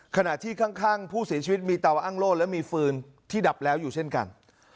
ขณะที่ข้างผู้เสียชีวิตมีเตาอ้างโล่และมีฟืนที่ดับแล้วอยู่เช่นกัน